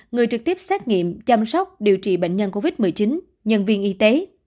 người trực tiếp xét nghiệm chăm sóc điều trị bệnh nhân covid một mươi chín